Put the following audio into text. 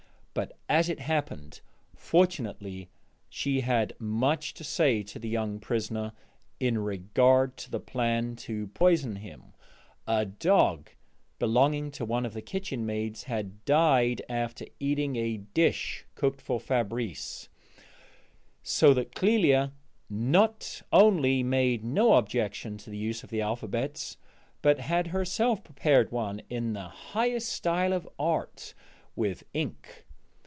But as it happened, fortunately, she had much to say to the young prisoner in regard to the plan to poison him (a dog belonging to one of the kitchen maids had died after eating a dish cooked for Fabrice), so that Clélia not only made no objection to the use of the alphabets, but had herself prepared one in the highest style of art with ink.